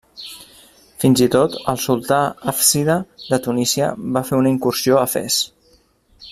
Fins i tot el sultà hàfsida de Tunísia va fer una incursió a Fes.